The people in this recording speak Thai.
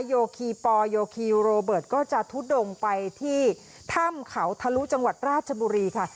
โยคีปอลโยคีโรเบิร์ตก็จะทุดงไปที่ถ้ำเขาทะลุจังหวัดราชบุรีค่ะ